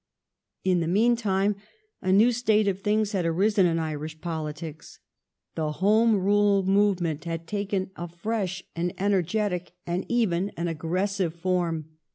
In the meantime a new state of things had arisen in Irish politics. The Home Rule move ment had taken a fresh, an energetic, and even an aggressive form.